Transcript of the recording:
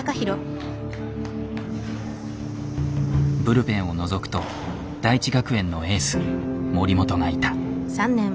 ブルペンをのぞくと大智学園のエース森本がいた。